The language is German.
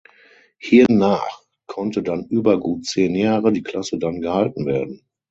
Hiernach konnte dann über gut zehn Jahre die Klasse dann gehalten werden.